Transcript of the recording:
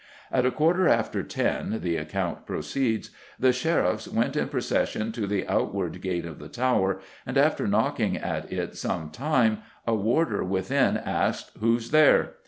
"At a quarter after ten," the account proceeds, "the Sheriffs went in procession to the outward gate of the Tower, and after knocking at it some time, a warder within asked, 'Who's there?